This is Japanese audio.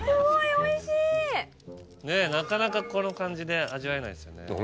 ねっなかなかこの感じで味わえないですよね。